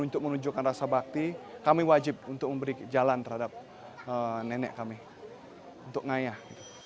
untuk menunjukkan rasa bakti kami wajib untuk memberi jalan terhadap nenek kami untuk ngayah